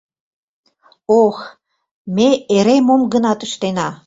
— Ох, ме эре мом-гынат ыштена!